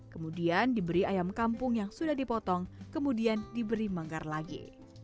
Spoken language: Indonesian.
kemudian diberi ayam kampung yang sudah dipotong kemudian diberi manggar lagi